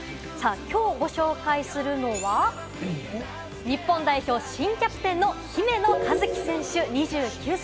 きょう、ご紹介するのは、日本代表新キャプテンの姫野和樹選手、２９歳。